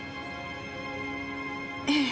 ええ。